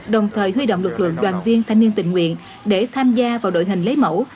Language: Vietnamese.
đồng thời huy động lực lượng đoàn viên thanh niên tình nguyện để tham gia vào đội hình lấy mẫu